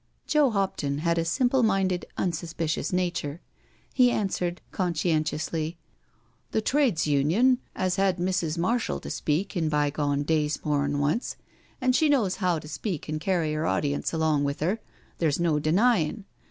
Joe Hopton had a simple minded| unsuspicious nature. He answered conscientiously: " The Trades Union 'as had Mrs. Marshall to speak in bygone days more'n once, and she knows how to speak and carry 'er audience along with 'er, there's no denyin*.